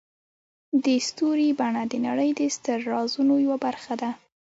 د ستوري بڼه د نړۍ د ستر رازونو یوه برخه ده.